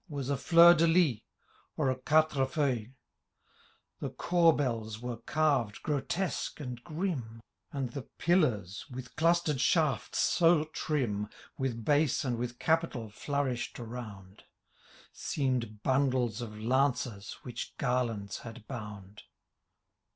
Was a fleur de lys, or a quatre feuiUe ; The corbells' were carved grotesque and grim ; And the pillars, with clustered shafts so trim. With base and with capital flourished around,^ Seem'd bundles of lances which garlands had bound.